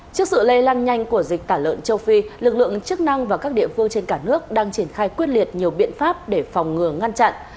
trước sự lây lan nhanh của dịch tả lợn châu phi lực lượng chức năng và các địa phương trên cả nước đang triển khai quyết liệt nhiều biện pháp để phòng ngừa ngăn chặn